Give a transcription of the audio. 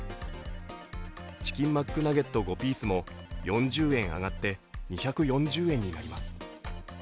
チキンマックナゲット５ピースも４０円上がって２４０円になります。